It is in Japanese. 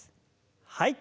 はい。